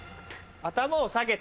頭を下げて。